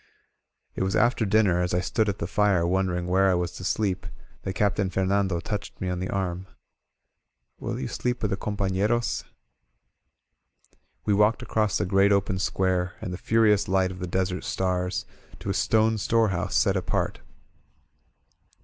It was after dinner, as I stood at the fire, wonder 41 INSURGENT MEXICO ing where I was to sleep, that Captain Fernando touched me on the arm. Will you sleep with the companeroaf^ We walked across the great open square, in the furious light of the desert stars, to a stone store house set apart.